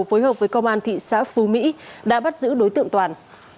phối hợp với công an thị xã phú mỹ đã bắt giữ đối tượng toàn